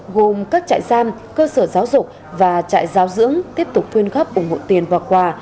gồm các trại giam cơ sở giáo dục và trại giáo dưỡng tiếp tục thuyên góp ủng hộ tiền và quà